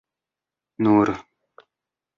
nur